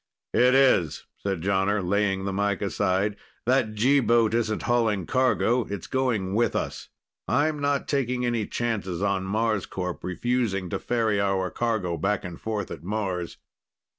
"It is," said Jonner, laying the mike aside. "That G boat isn't hauling cargo. It's going with us. I'm not taking any chances on Marscorp refusing to ferry our cargo back and forth at Mars."